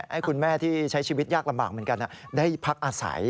ให้คุณแม่ที่ใช้ชีวิตยากลำบากเหมือนกันได้พักอาศัย